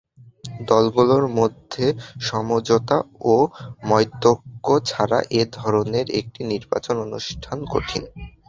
দলগুলোর মধ্যে সমঝোতা ও মতৈক্য ছাড়া এ ধরনের একটি নির্বাচন অনুষ্ঠান কঠিন।